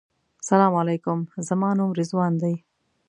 سلام علیکم زما نوم رضوان دی.